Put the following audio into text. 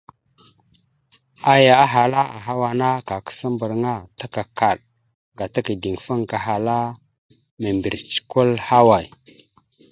Aya ahala: « Ahawa ana kakǝsa mbarǝŋa ta kakaɗ, gata kideŋfaŋa kahala mimbirec kwal ahaway? ».